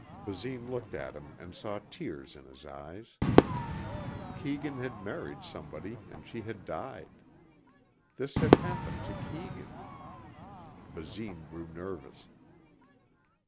Basine looked at him and saw tears in his eyes. Keegan had married somebody and she had died. This had happened to Keegan. Basine grew nervous.